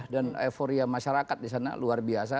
euforia masyarakat di sana luar biasa